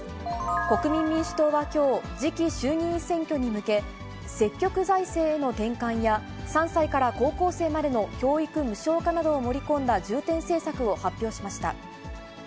国民民主党はきょう、次期衆議院選挙に向け、積極財政への転換や、３歳から高校生までの教育無償化などを盛り込んだ重点政策を発表しました。